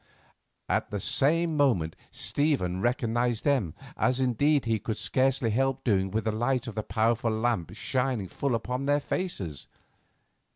At the same moment Stephen recognised them, as indeed he could scarcely help doing with the light of the powerful lamp shining full upon their faces.